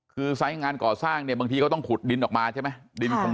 คือไซส์งานก่อสร้างเนี่ยบางทีเขาต้องขุดดินออกมาใช่ไหม